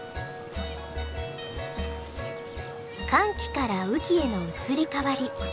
乾季から雨季への移り変わり。